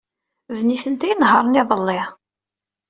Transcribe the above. D nitni ay inehṛen iḍelli.